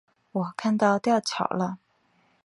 我看到吊桥了